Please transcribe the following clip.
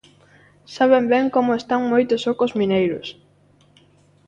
Saben ben como están moitos ocos mineiros.